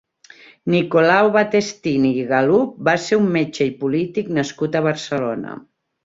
Nicolau Battestini i Galup va ser un metge i polític nascut a Barcelona.